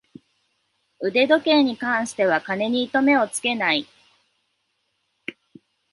腕時計に関しては金に糸目をつけない